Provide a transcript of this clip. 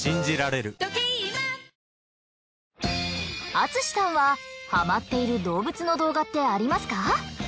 淳さんはハマっている動物の動画ってありますか？